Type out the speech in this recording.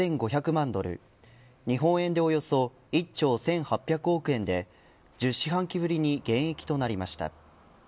ドル日本円でおよそ１兆１８００億円で１０四半期ぶりに減益となりました。